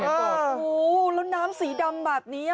โอ้โหแล้วน้ำสีดำแบบนี้